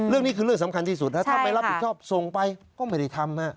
เรื่องนี้คือเรื่องสำคัญที่สุดถ้าไม่รับผิดชอบส่งไปก็ไม่ได้ทำ